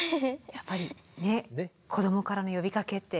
やっぱりね子どもからの呼びかけって。